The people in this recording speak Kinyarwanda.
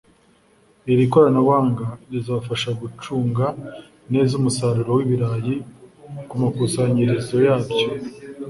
Iri koranabuhanga rizafasha gucunga neza umusaruro w’ibirayi ku makusanyirizo yabyo